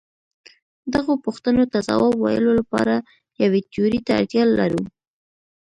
دغو پوښتنو ته ځواب ویلو لپاره یوې تیورۍ ته اړتیا لرو.